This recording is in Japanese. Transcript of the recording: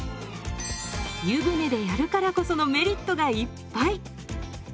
湯船でやるからこそのメリットがいっぱい！